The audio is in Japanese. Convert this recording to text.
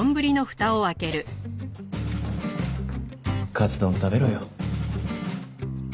カツ丼食べろよ。